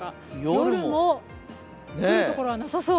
夜も降るところはなさそう。